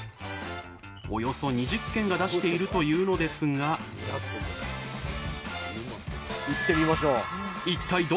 およそ２０軒が出しているというのですが行ってみましょう。